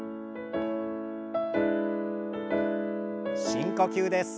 深呼吸です。